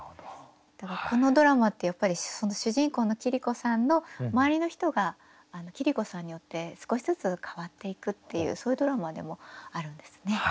だからこのドラマってやっぱりその主人公の桐子さんの周りの人が桐子さんによって少しずつ変わっていくっていうそういうドラマでもあるんですね。